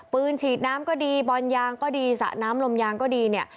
ฉีดน้ำก็ดีบอลยางก็ดีสระน้ำลมยางก็ดีเนี่ย